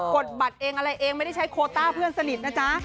ดบัตรเองอะไรเองไม่ได้ใช้โคต้าเพื่อนสนิทนะจ๊ะ